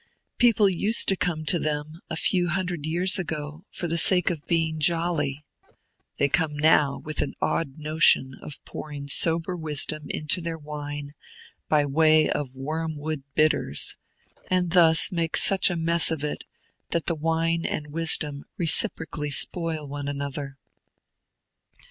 People used to come to them, a few hundred years ago, for the sake of being jolly; they come now with an odd notion of pouring sober wisdom into their wine by way of wormwood bitters, and thus make such a mess of it that the wine and wisdom reciprocally spoil one another.